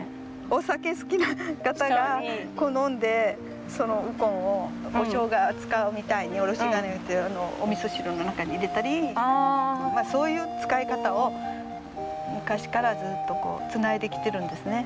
お酒好きな方が好んでウコンをショウガ使うみたいにおろし金でおみそ汁の中に入れたりそういう使い方を昔からずっとつないできてるんですね。